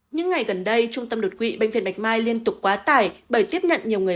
những ngày gần đây trung tâm đột quỵ bệnh viện bạch mai liên tục quá tải bởi tiếp nhận nhiều người